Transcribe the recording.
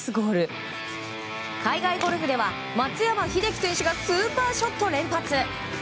海外ゴルフでは松山英樹選手がスーパーショット連発！